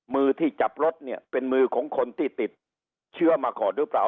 มือที่จับรถเนี่ยเป็นมือของคนที่ติดเชื้อมาก่อนหรือเปล่า